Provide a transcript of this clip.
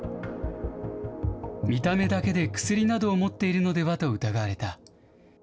見た目だけで薬などを持っているのではと疑われた。